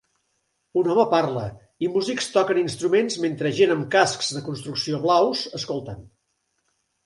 Un home parla i músics toquen instruments mentre gent amb cascs de construcció blaus escolten.